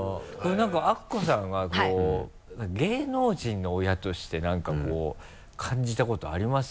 何かアッコさんはこう芸能人の親として何かこう感じたことあります？